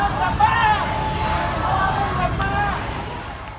อัศวินธรรมชาติอัศวินธรรมชาติ